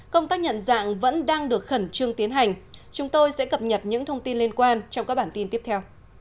công tác nhận dạng vẫn đang được khẩn trương tiến hành chúng tôi sẽ cập nhật những thông tin liên quan trong các bản tin tiếp theo